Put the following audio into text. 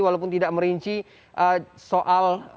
walaupun tidak merinci soal